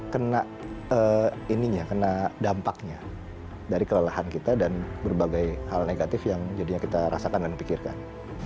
kena dampaknya dari kelelahan kita dan berbagai hal negatif yang jadinya kita rasakan dan pikirkan